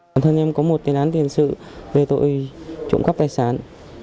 bản thân em có một tiền án tiền sự về tội trộm cắp tài sản